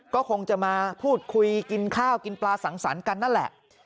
ก็คงจะมาพูดคุยกินข้าวกินปลาสังสรรค์กันนั่นแหละ